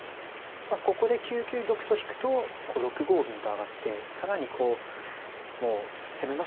ここで９九玉と引くと６五銀と上がって更にこうもう攻めますよといった手ですよね。